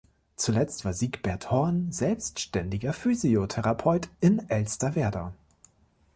Zuletzt war Siegbert Horn selbstständiger Physiotherapeut in Elsterwerda.